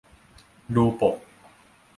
ดูปก